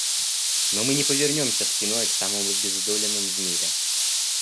Но мы не повернемся спиной к самым обездоленным в мире.